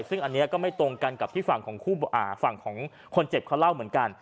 ซึ่งอันนี้ก็ไม่ตรงกันกับที่ฝั่งของฝั่งของคนเจ็บเขาเล่าเหมือนกัน